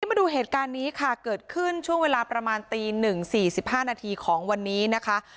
มาดูเหตุการณ์นี้ค่ะเกิดขึ้นช่วงเวลาประมาณตี๑๔๕นาทีของวันนี้นะคะ